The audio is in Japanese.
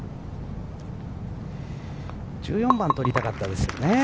１４番を取りたかったですよね。